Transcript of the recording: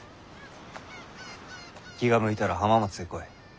気が向いたら浜松へ来い。